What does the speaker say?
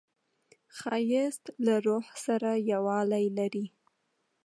ښایست له روح سره یووالی لري